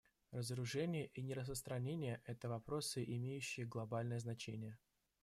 Разоружение и нераспространение — это вопросы, имеющие глобальное значение.